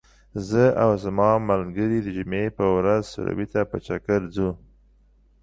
زه او زما ملګري د جمعې په ورځ سروبي ته په چکر ځو .